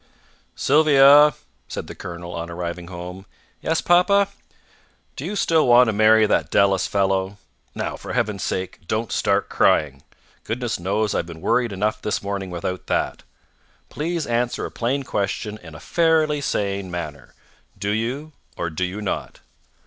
"Sylvia!" said the colonel, on arriving home. "Yes, papa." "Do you still want to marry that Dallas fellow? Now, for Heaven's sake, don't start crying! Goodness knows I've been worried enough this morning without that. Please answer a plain question in a fairly sane manner. Do you, or do you not?"